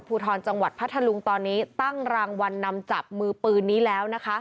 ภูทรจังหวัดพัทธลุงตอนนี้ตั้งรางวัลนำจับมือปืนนี้แล้วนะคะ